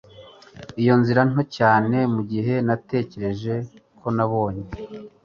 iyo nzira nto cyane mugihe natekereje ko nabonye